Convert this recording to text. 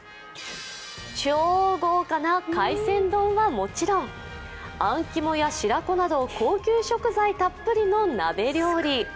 超豪華な海鮮丼はもちろん、あん肝や白子など高級食材たっぷりの鍋料理。